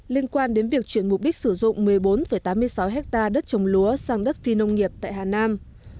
liên quan đến việc chuyển mục đích sử dụng một mươi bốn tám mươi sáu hectare đất trồng lúa sang đất phi nông nghiệp tại hà nam